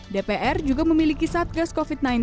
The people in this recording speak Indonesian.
dpr juga memiliki satgas covid sembilan belas